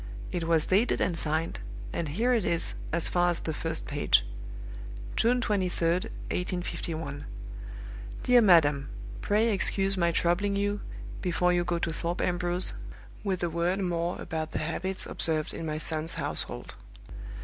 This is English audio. It was dated and signed; and here it is, as far as the first page: 'June 23d, 1851. Dear Madam Pray excuse my troubling you, before you go to Thorpe Ambrose, with a word more about the habits observed in my son's household.